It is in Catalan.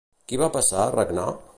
Qui va passar a regnar?